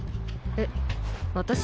えっ私？